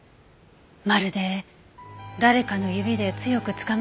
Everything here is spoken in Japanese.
まるで誰かの指で強くつかまれたように。